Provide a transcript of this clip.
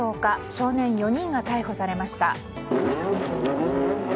少年４人が逮捕されました。